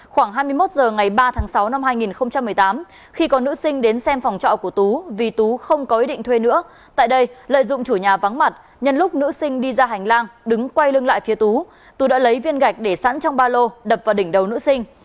khoảng hai mươi một h ngày ba tháng sáu năm hai nghìn một mươi tám khi có nữ sinh đến xem phòng trọ của tú vì tú không có ý định thuê nữa tại đây lợi dụng chủ nhà vắng mặt nhân lúc nữ sinh đi ra hành lang đứng quay lưng lại phía tú tú đã lấy viên gạch để sẵn trong ba lô đập vào đỉnh đầu nữ sinh